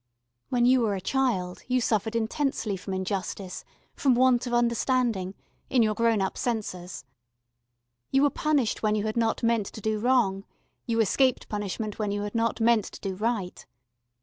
When you were a child you suffered intensely from injustice, from want of understanding, in your grown up censors. You were punished when you had not meant to do wrong: you escaped punishment when you had not meant to do right.